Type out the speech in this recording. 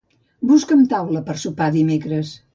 Busca'm taula per sopar dimecres.